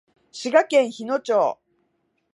滋賀県日野町